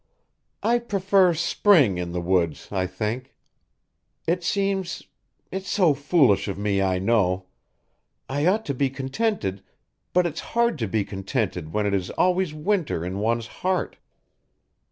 "I prefer spring in the woods, I think. It seems It's so foolish of me, I know; I ought to be contented, but it's hard to be contented when it is always winter in one's heart.